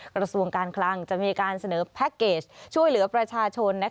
กระทรวงการคลังจะมีการเสนอแพ็คเกจช่วยเหลือประชาชน